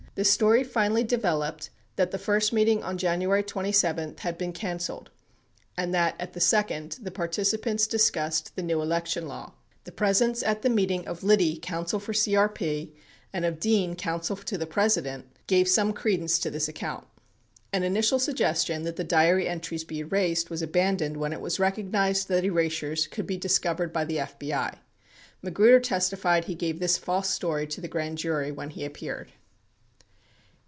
The story finally developed that the first meeting on January 27 had been canceled and that, at the second, the participants discussed the new election law. The presence at the meeting of Liddy, counsel for CEP, and of Dean, Counsel to the President, gave some credence to this account. An initial suggestion that the diary entries be erased was abandoned when it was recognized that erasures could be discovered by the FBI. Magruder testified he gave this false story to the grand jury when he appeared.